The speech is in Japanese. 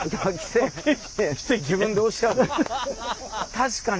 確かに。